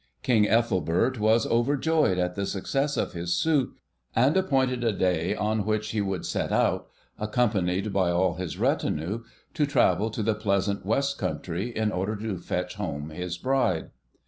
King Ethelbert was overjoyed at the success of his suit, and appointed a day on which he would set out, accompanied by all his retinue, to travel to the pleasant West Country in order to fetch home his bride.